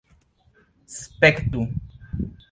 spektu